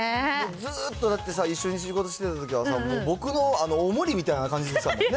ずーっと、だってさ、一緒に仕事してたときは、もう、僕のお守りみたいな感じでしたもんね。